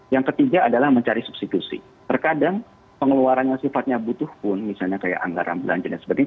yang ketiga adalah mencari substitusi terkadang pengeluaran yang sifatnya butuh pun misalnya kayak anggaran belanja dan sebagainya